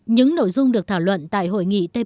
những nội dung được thảo luận tại hội nghị tv